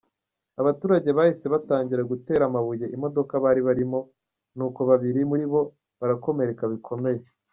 Abaturage bahise batangira gutera amabuye imodoka bari barimo, nuko babiri muri bo barakomereka bikomeye.